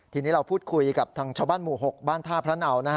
ทีนี้เราพูดคุยกับทางชาวบ้านหมู่๖บ้านท่าพระเนานะฮะ